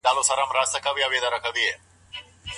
ماشوم کله شرعي مکلف ګرځي؟